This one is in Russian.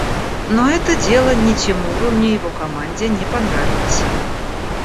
Но это дело ни Тимуру, ни его команде не понравилось.